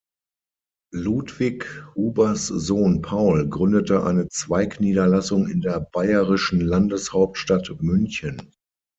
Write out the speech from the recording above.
Ludwig Hubers Sohn Paul gründete eine Zweigniederlassung in der bayerischen Landeshauptstadt München.